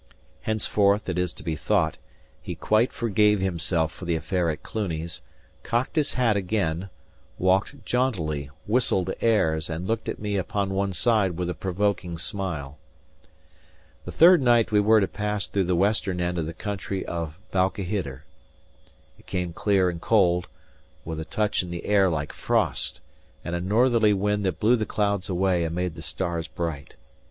Henceforth, it is to be thought, he quite forgave himself for the affair at Cluny's; cocked his hat again, walked jauntily, whistled airs, and looked at me upon one side with a provoking smile. The third night we were to pass through the western end of the country of Balquhidder. It came clear and cold, with a touch in the air like frost, and a northerly wind that blew the clouds away and made the stars bright.